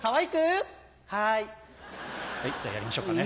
はいじゃあやりましょうかね。